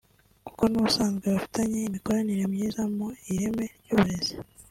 kuko n’ubusanzwe bafitanye imikoranire myiza mu ireme ry’uburezi